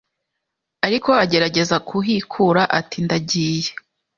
ariko agerageza kuhikura ati ndagiye